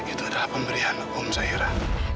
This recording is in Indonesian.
itu adalah pemberian om zahira